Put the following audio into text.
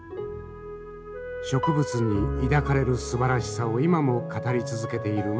植物に抱かれるすばらしさを今も語り続けている牧野富太郎。